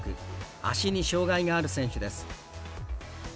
足に障がいがある選手です。